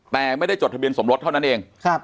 แต่ไม่ได้จดทะเบียนสมรสเท่านั้นเอง